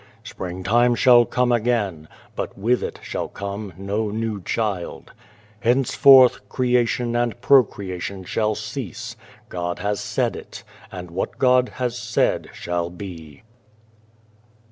" Spring time shall come again, but with it shall come no new child. " Henceforth creation and procreation shall cease. God has said it, and what God has said shall be."